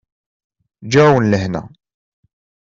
Ǧǧiɣ-awen lehna.